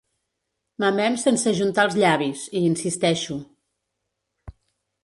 Mamem sense ajuntar els llavis, hi insisteixo.